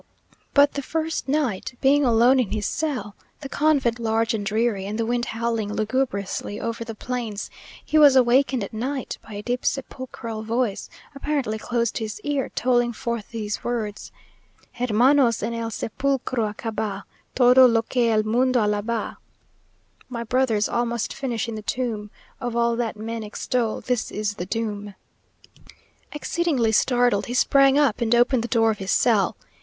But the first night, being alone in his cell, the convent large and dreary, and the wind howling lugubriously over the plains, he was awakened at night by a deep sepulchral voice, apparently close to his ear, tolling forth these words: "Hermanos, en el sepulcro acaba, Todo lo que el mundo alaba!" "My brothers, all must finish in the tomb! Of all that men extol, this is the doom." Exceedingly startled, he sprang up, and opened the door of his cell.